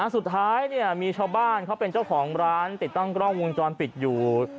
สุดท้ายมีชาวบ้านเขาเป็นเจ้าของร้านติดตั้งกล้องวงจรปิดอยู่